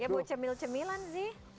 ya mau cemil cemilan sih